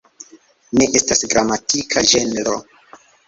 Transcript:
Ne estas gramatika ĝenro.